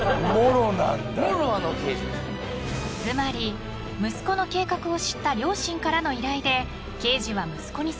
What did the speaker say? ［つまり息子の計画を知った両親からの依頼で刑事は息子に接近］